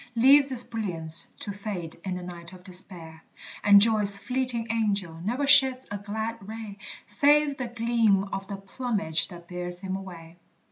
Leaves its brilliance to fade in the night of despair, And joy's fleeting angel ne'er sheds a glad ray, Save the gleam of the plumage that bears him away.